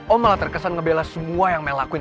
om malah terkesan ngebela semua yang mel lakuin